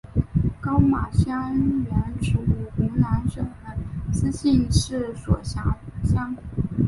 高码乡原属湖南省资兴市所辖乡。